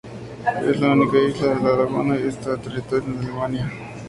Es la única isla en la laguna que esta en territorio de Alemania.